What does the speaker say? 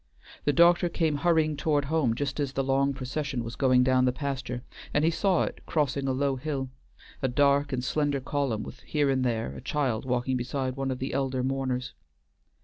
The doctor came hurrying toward home just as the long procession was going down the pasture, and he saw it crossing a low hill; a dark and slender column with here and there a child walking beside one of the elder mourners.